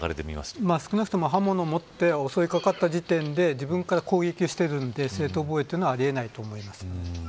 少なくとも刃物を持って襲いかかった時点で自分から攻撃をしているので正当防衛というのはありえないと思います。